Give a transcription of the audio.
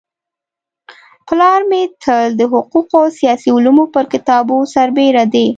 پلار به مي تل د حقوقو او سياسي علومو پر كتابو سربيره د